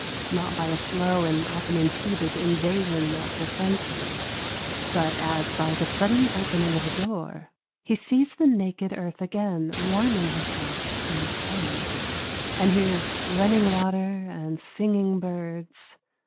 Not by a slow and often impeded invasion of the senses, but as by the sudden opening of a door, he sees the naked earth again warming herself in the sun, and hears running water and singing birds.